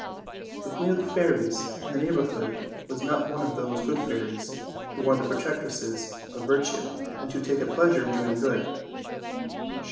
The queen of the fairies in the neighborhood was not one of those good fairies who are the protectresses of virtue, and who take a pleasure in doing good.